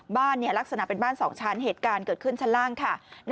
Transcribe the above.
ลักษณะเป็นบ้าน๒ชั้นเหตุการณ์เกิดขึ้นชั้นล่างค่ะ